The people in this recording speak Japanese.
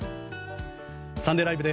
「サンデーＬＩＶＥ！！」